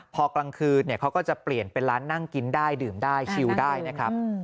พอกลางคืนเขาก็จะเปลี่ยนเป็นร้านนั่งกินได้ดื่มได้ชิวได้นะครับ